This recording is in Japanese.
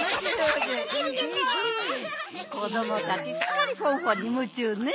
こどもたちすっかりフォンフォンにむちゅうね。